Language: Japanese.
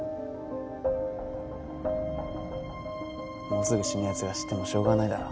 もうすぐ死ぬ奴が知ってもしょうがないだろ。